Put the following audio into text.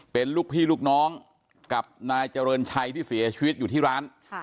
เป็นลูกพี่ลูกน้องกับนายเจริญชัยที่เสียชีวิตอยู่ที่ร้าน